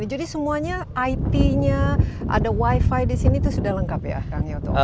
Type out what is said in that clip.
jadi semuanya it nya ada wi fi disini itu sudah lengkap ya kang yoto